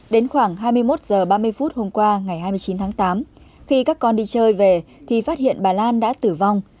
đến khoảng hai mươi một h ba mươi phút hôm qua ngày hai mươi chín tháng tám khi các con đi chơi về thì phát hiện bà lan đã tử vong